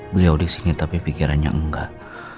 beliau disini tapi pikirannya enggak